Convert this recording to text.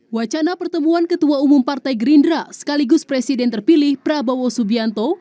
wacana pertemuan ketua umum partai gerindra sekaligus presiden terpilih prabowo subianto